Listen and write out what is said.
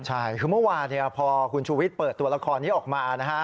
ใช่คือเมื่อวานพอคุณชูวิทย์เปิดตัวละครนี้ออกมานะฮะ